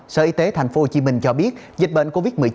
sở y tế tp hcm cho biết dịch bệnh covid một mươi chín